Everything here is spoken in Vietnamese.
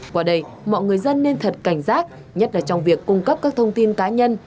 qua đây mọi người dân nên thật cảnh giác nhất là trong việc cung cấp các thông tin cá nhân